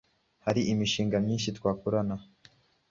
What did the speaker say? hari imishinga myinshi twakorana